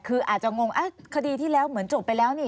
คืออาจจะงงคดีที่แล้วเหมือนจบไปแล้วนี่